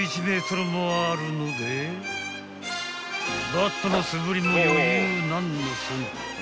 ［バットの素振りも余裕何のその］